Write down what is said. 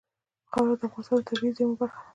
خاوره د افغانستان د طبیعي زیرمو برخه ده.